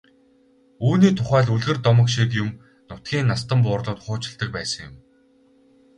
Үүний тухай л үлгэр домог шиг юм нутгийн настан буурлууд хуучилдаг байсан юм.